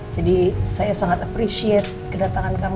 jadi saya sangat appreciate kedatangan kamu